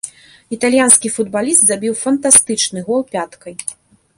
Італьянскі футбаліст забіў фантастычны гол пяткай.